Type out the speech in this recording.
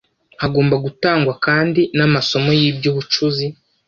Hagomba gutangwa kandi n’amasomo y’iby’ubucuzi